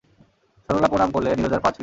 সরলা প্রণাম করলে নীরজার পা ছুঁয়ে।